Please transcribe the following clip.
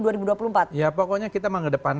jadi kita harus mencari kepentingan